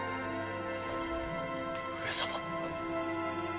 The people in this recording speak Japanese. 上様！